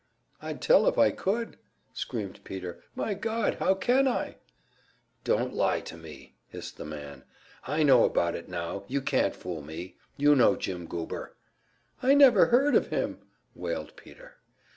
"I'd tell if I could!" screamed Peter. "My God, how can I?" "Don't lie to me," hissed the man. "I know about it now, you can't fool me. You know Jim Goober." "I never heard of him!" wailed Peter.